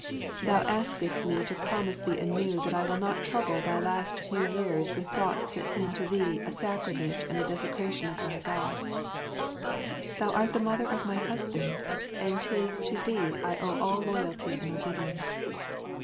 Thou askest me to promise thee anew that I will not trouble thy last few years with thoughts that seem to thee a sacrilege and a desecration of thy Gods. Thou art the mother of my husband, and 'tis to thee I owe all loyalty and obedience.